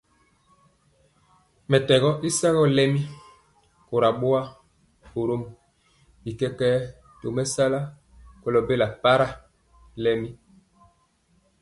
Mɛtɛgɔ y sagɔ lɛmi kora boa, borom bi kɛkɛɛ tomesala kolo bela para lɛmi.